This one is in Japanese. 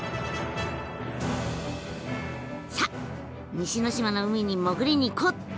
さあ西ノ島の海に潜りに行こう！